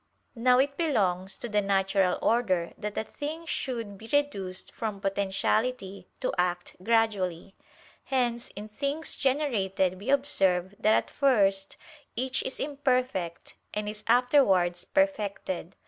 Now it belongs to the natural order that a thing should be reduced from potentiality to act gradually: hence in things generated we observe that at first each is imperfect and is afterwards perfected.